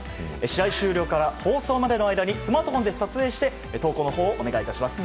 試合終了から放送までの間にスマートフォンで撮影して投稿のほうをお願いします。